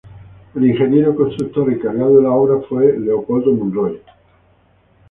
El ingeniero constructor encargado de la obra fue el Leopoldo Monroy.